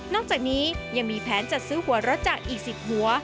จากนี้ยังมีแผนจัดซื้อหัวรถจากอีก๑๐หัว